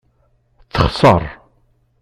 Texṣeṛ.